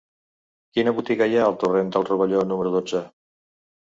Quina botiga hi ha al torrent del Rovelló número dotze?